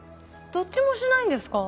どっちもしないんですか？